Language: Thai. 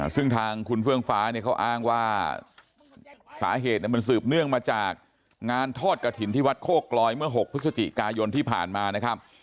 ซึ่งทางคุณเฟื่องฟ้าเนี่ยเขาอ้างว่าสาเหตุมันสืบเนื่องมาจากงานทอดกระถิ่นที่วัดโคกลอยเมื่อ๖พฤศจิกายนที่ผ่านมานะครับ